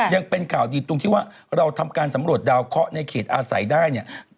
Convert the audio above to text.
ยังเป็นข่าวดีตรงที่ว่าเราทำการสำรวจดาวเคาะในเขตอาศัยได้เนี่ย